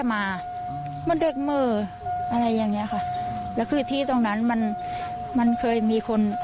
น่าแต่ยืนคู่อยู่กับน้อง